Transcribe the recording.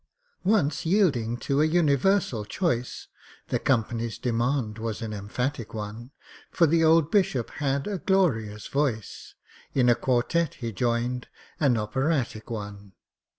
Once, yielding to an universal choice (The company's demand was an emphatic one, For the old Bishop had a glorious voice), In a quartet he joined—an operatic one.